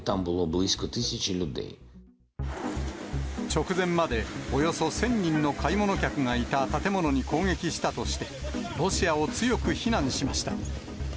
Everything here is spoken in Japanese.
直前まで、およそ１０００人の買い物客がいた建物に攻撃したとして、ロシアを強く非難しました。